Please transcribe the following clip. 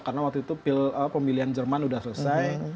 karena waktu itu pemilihan jerman sudah selesai